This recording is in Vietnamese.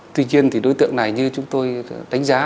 tuy nhiên thì đối tượng này như chúng tôi đánh giá